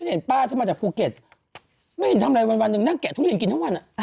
เห็นป้าฉันมาจากภูเก็ตไม่เห็นทำอะไรวันหนึ่งนั่งแกะทุเรียนกินทั้งวัน